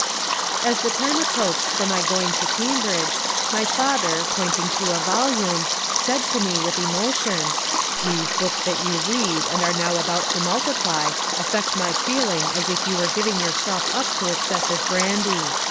As the time approached for my going to Cambridge, my father, pointing to a volume, said to me, with emotion: ^* These books that you read and are now about to multiply affect my feeling as if you were giving yourself up to exces sive brandy.